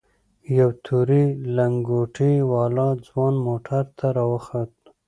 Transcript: يو تورې لنگوټې والا ځوان موټر ته راوخوت.